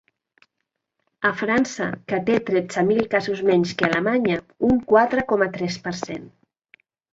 A França, que té tretze mil casos menys que Alemanya, un quatre coma tres per cent.